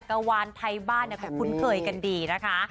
กวานไทยบ้านก็คุ้นเคยกันดีนะคะ